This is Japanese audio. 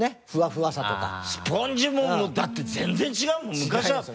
スポンジもだって全然違うもん。